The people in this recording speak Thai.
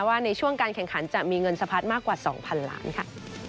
ว่าในช่วงการแข่งขันจะมีเงินสะพัดมากกว่า๒๐๐๐ล้านค่ะ